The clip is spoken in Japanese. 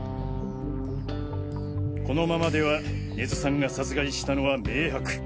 このままでは根津さんが殺害したのは明白。